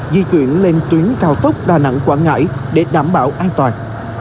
di chuyển lên tuyến cao tốc đà nẵng quảng ngãi để đảm bảo an toàn